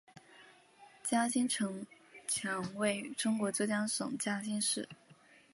嘉兴城墙位于中国浙江省嘉兴市。